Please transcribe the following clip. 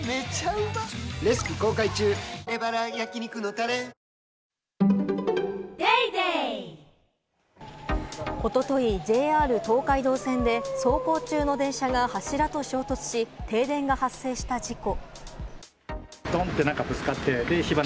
夏が香るアイスティーおととい、ＪＲ東海道線で走行中の電車が柱と衝突し、停電が発生した事故。